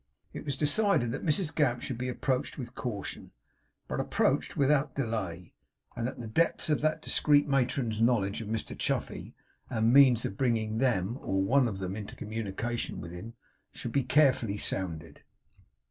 It was decided that Mrs Gamp should be approached with caution, but approached without delay; and that the depths of that discreet matron's knowledge of Mr Chuffey, and means of bringing them, or one of them, into communication with him, should be carefully sounded.